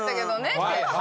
って。